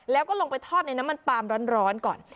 แล้วก็ลงไปทอดในน้ำมันปลามร้อนก่อน